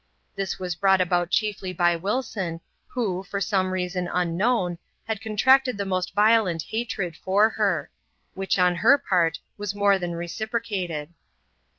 This was brought about chiefly by Wilson, who, for some reason unknown, had contracted the most violent hatred for her ; which, on her part, was more than leciprocated..